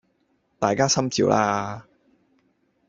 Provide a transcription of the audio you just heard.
大家心照啦